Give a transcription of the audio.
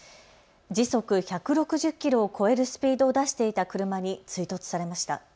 時速１６０キロを超えるスピードを出していた車に追突されました。